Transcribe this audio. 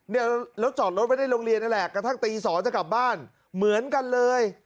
เนี่ยแล้วจอดรถไว้ในโรงเรียนนั่นแหละกระทั่งตี๒จะกลับบ้านเหมือนกันเลย